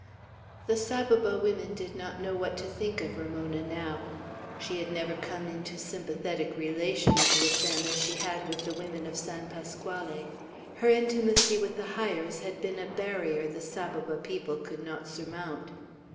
The Saboba women did not know what to think of Ramona now. She had never come into sympathetic relations with them, as she had with the women of San Pasquale. Her intimacy with the Hyers had been a barrier the Saboba people could not surmount.